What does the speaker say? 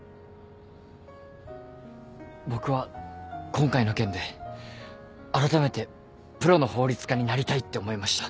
僕は今回の件であらためてプロの法律家になりたいって思いました。